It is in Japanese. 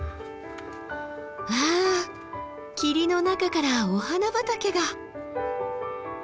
うわ霧の中からお花畑が。